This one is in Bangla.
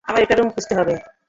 আমার একটা রুম খুঁজতে হবে।